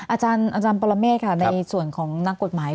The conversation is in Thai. อาจารย์ปรเมฆค่ะในส่วนของนักกฎหมาย